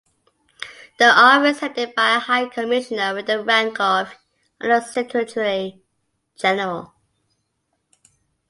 The Office is headed by a High Commissioner with the rank of Under-Secretary-General.